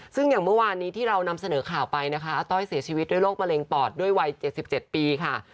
ซึ่งอย่างเมื่อวานนี้ที่เรานำเสนอข่าวไปนะคะอาต้อยเสียชีวิตด้วยโรคมะเร็งปอดด้วยวัย๗๗ปีค่ะ